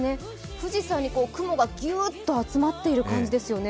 富士山に雲がギュッと集まっている様子ですよね。